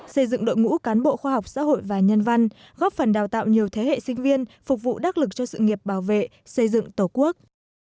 xây dựng đội ngũ cán bộ khoa học xã hội và nhân văn góp phần đào tạo nhiều thế hệ sinh viên phục vụ đắc lực cho sự nghiệp bảo vệ xây dựng tổ quốc